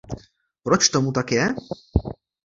Proč tomu tak je?